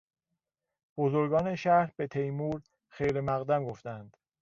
بزرگان شهر به تیمور خیرمقدم گفتند.